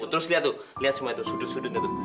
terus lihat lihat semua itu sudut sudutnya itu